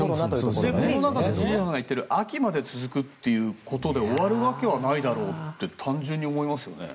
千々岩さんが言っている秋まで続くということで終わるわけはないだろうって単純に思いますよね。